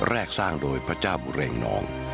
แรกสร้างโดยพระเจ้าบุเรงนอง